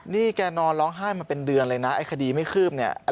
นี่แกนอนร้องไห้มาเป็นเดือนเลยนะไอ้คดีไม่คืบเนี่ย